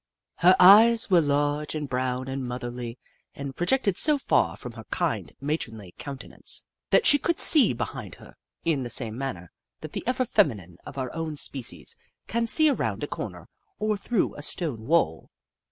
Her eyes were large and brown and motherly, and pro jected so far from her kind, matronly counte nance, that she could see behind her, in the same manner that the ever feminine of our own species can see around a corner or through a stone wall.